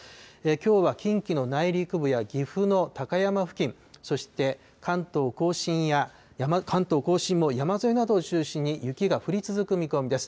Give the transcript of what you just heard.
きょうは近畿の内陸部や岐阜の高山付近、そして関東甲信も山沿いなどを中心に雪が降り続く見込みです。